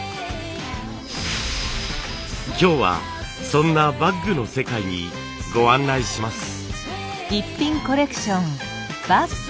今日はそんなバッグの世界にご案内します。